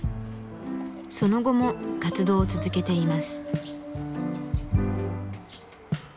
その後も活動を続けています。